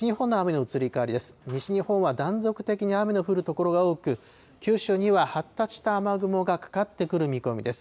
西日本は断続的に雨の降る所が多く、九州には発達した雨雲がかかってくる見込みです。